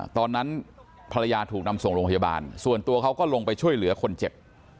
ตอนนั้นภรรยาถูกนำส่งโรงพยาบาลส่วนตัวเขาก็ลงไปช่วยเหลือคนเจ็บ